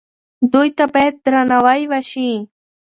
دوی ته باید درناوی وشي.